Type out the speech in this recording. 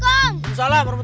tidak salah pak papayete